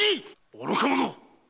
愚か者っ！